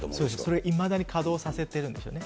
それ、いまだに稼働させてるんですよね。